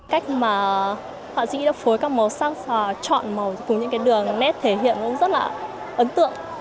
cách mà họa sĩ đã phối các màu sắc và chọn màu cùng những đường nét thể hiện rất là ấn tượng